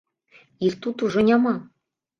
Іх тут ужо няма.